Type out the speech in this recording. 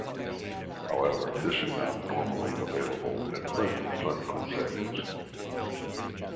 However, this is not normally available in most clinical settings.